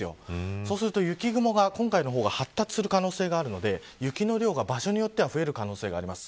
そうすると雪雲が、今回の方が発達する可能性があるので雪の量が場所によっては増える可能性があります。